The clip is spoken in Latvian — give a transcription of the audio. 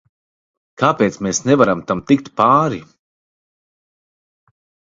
Kāpēc mēs nevaram tam tikt pāri?